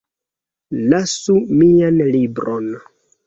Lasu mian libron